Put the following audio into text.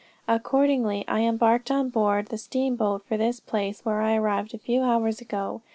Accordingly I embarked on board the steamboat for this place, where I arrived a few hours ago.